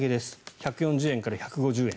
１４０円から１５０円。